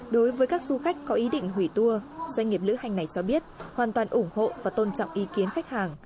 đối với các du khách có ý định hủy tour doanh nghiệp lữ hành này cho biết hoàn toàn ủng hộ và tôn trọng ý kiến khách hàng